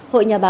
hội nhà báo